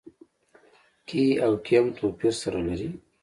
کې او کي هم توپير سره لري.